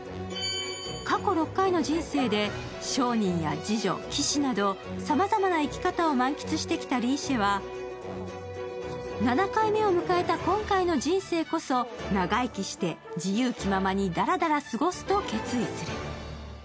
過去６回の人生で、商人や侍女、騎士などさまざまな生き方を満喫してきたリーシェは、７回目を迎えた今回の人生こそ長生きして自由気ままにダラダラ過ごすと決意する。